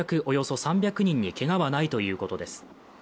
およそ３００人にけがはないということです。